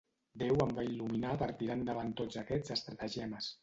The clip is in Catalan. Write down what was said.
Déu em va il·luminar per tirar endavant tots aquests estratagemes.